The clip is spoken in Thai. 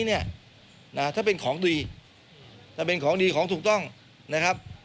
ถ้าเป็นของดีถ้าเป็นของดีของถูกต้องนะครับ